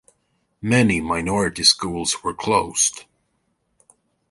Many minority schools were closed.